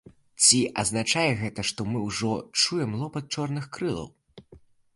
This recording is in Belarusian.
Ці азначае гэта, што мы ўжо чуем лопат чорных крылаў?